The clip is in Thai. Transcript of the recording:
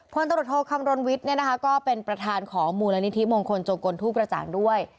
พลตรวจโทคำรณวิทย์ก็เป็นประธานของมูลนิธิมงคลโจกลทูปกระจ่างด้วย